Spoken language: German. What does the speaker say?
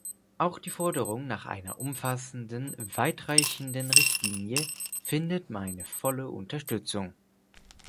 Auch die Forderung nach einer umfassenden, weitreichenden Richtlinie findet meine volle Unterstützung.